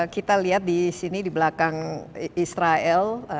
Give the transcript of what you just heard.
kita lihat di sini di belakang israel